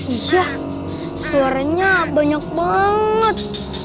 iya suaranya banyak banget